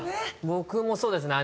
僕もそうですね。